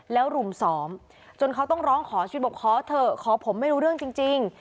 แล้วรุมซ้อมจนเขาต้องร้องขอชีวิตบอกขอเถอะขอผมไม่รู้เรื่องจริง